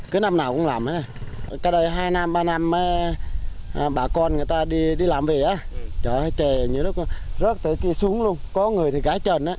cơ hội việt nam là người ta